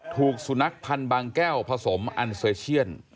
ถูกสุนักพันบางแก้วผสมอัลเซรเชื่อน